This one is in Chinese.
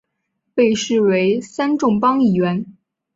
被视为三重帮一员。